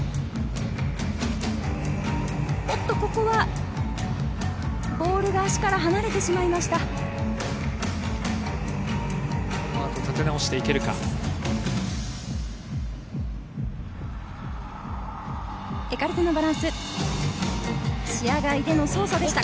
おっとここはボールが足から離れてしまいました。